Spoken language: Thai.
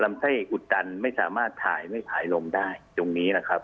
ไส้อุดตันไม่สามารถถ่ายไม่ถ่ายลมได้ตรงนี้นะครับ